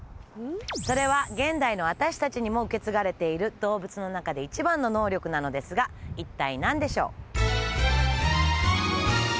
それは現代の私達にも受け継がれている動物の中で一番の能力なのですが一体何でしょう？